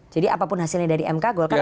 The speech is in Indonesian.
jadi apapun hasilnya dari mk golkar akan ikut